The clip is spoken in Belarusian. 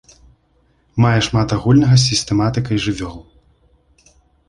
Мае шмат агульнага з сістэматыкай жывёл.